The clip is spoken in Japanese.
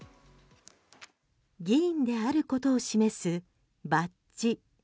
議員であることを示すバッジ。